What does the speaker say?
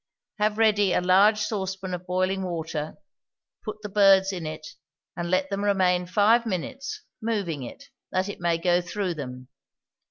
Have ready a large saucepan of boiling water, put the birds in it, and let them remain five minutes, moving it, that it may go through them.